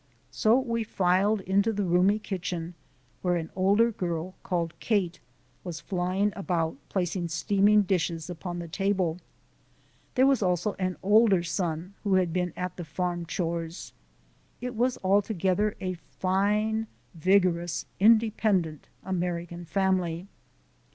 So we filed into the roomy kitchen, where an older girl, called Kate, was flying about placing steaming dishes upon the table. There was also an older son, who had been at the farm chores. It was altogether a fine, vigorous, independent American family.